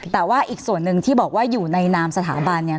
แต่ว่าอีกส่วนหนึ่งที่บอกว่าอยู่ในนามสถาบันเนี่ย